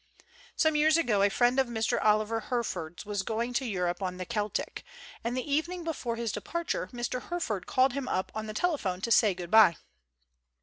Some years ago a friend of Mr. Oliver Herford's was going to Europe on the " Celtic," and the evening before his departure Mr. Herford called him up on the telephone to say good by.